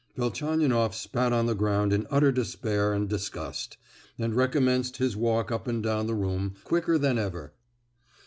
Velchaninoff spat on the ground in utter despair and disgust, and recommenced his walk up and down the room, quicker than ever.